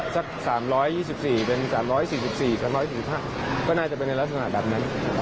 สัก๓๒๔เป็น๓๔๔เป็น๓๒๕ก็น่าจะเป็นลักษณะแบบนั้น